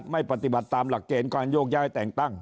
ไม่ปฏิบัติตามหลักเกณฑ์การโยกย้ายแต่งตั้ง